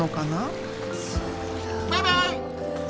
バイバイ！